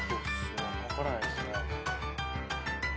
分からないですね。